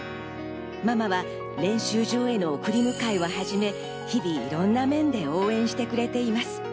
ママは練習場への送り迎えをはじめ、日々いろんな面で応援してくれています。